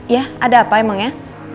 ya ada apa emang ya